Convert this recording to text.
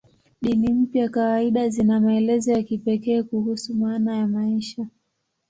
Dini mpya kawaida zina maelezo ya kipekee kuhusu maana ya maisha.